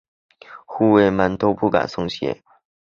护卫们都不敢松懈。